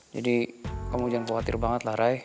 jadi kamu jangan khawatir banget lah ray